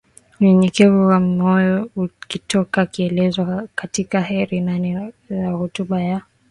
unyenyekevu wa moyo akitoa kielelezo katika Heri Nane za hotuba ya